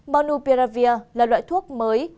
bonupiravir là loại thuốc mới